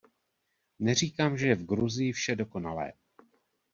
Neříkám, že je v Gruzii vše dokonalé.